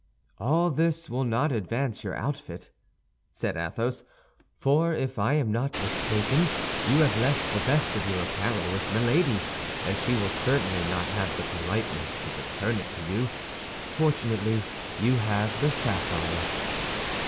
"All this will not advance your outfit," said Athos; "for if I am not mistaken, you have left the best of your apparel with Milady, and she will certainly not have the politeness to return it to you. Fortunately, you have the sapphire."